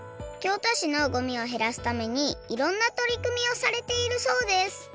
京都市のごみをへらすためにいろんなとりくみをされているそうです